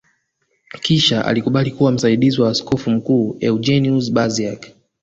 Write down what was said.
Kisha alikubali kuwa msaidizi wa askofu mkuu Eugeniuz Baziak